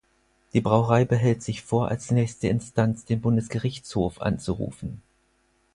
Die Brauerei behält sich vor, als nächste Instanz den Bundesgerichtshof anzurufen.